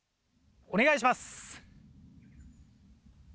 お願いします。